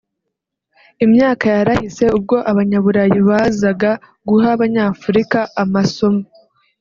Imyaka yarahise ubwo abanyaburayi bazaga guha abanyafurika amasomo